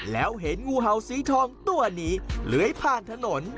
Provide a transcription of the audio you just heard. แล้วเห็นงูเห่าสีทองตัวนี้เลื้อยผ่านถนน